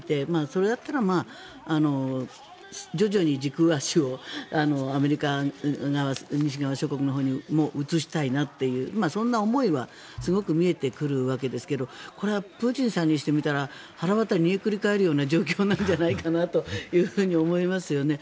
それだったら徐々に軸足をアメリカ側、西側諸国のほうにも移したいなという、そんな思いはすごく見えてくるわけですけどこれはプーチンさんにしてみたらはらわた煮えくり返るような状況じゃないかと思いますよね。